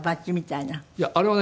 いやあれはね